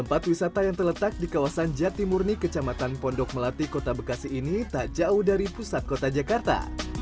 tempat wisata yang terletak di kawasan jatimurni kecamatan pondok melati kota bekasi ini tak jauh dari pusat kota jakarta